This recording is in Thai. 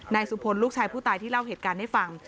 สุพลลูกชายผู้ตายที่เล่าเหตุการณ์ให้ฟัง